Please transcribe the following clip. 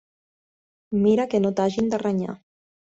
Mira que no t'hagin de renyar.